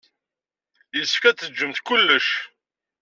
Yessefk ad d-tejjemt kullec.